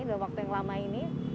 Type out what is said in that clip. dalam waktu yang lama ini